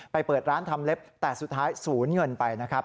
เปิดร้านทำเล็บแต่สุดท้ายศูนย์เงินไปนะครับ